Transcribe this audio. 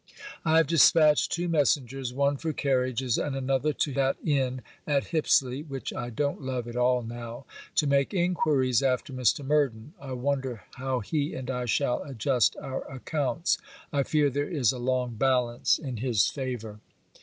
I have dispatched two messengers, one for carriages and another to that inn at Hipsley (which I don't love at all now) to make enquiries after Mr. Murden. I wonder how he and I shall adjust our accounts. I fear there is a long balance in his favour.